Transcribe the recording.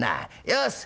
よし！